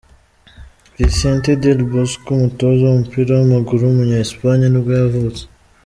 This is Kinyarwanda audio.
Vicente del Bosque, umutoza w’umupira w’amaguru w’umunya Espagne nibwo yavutse.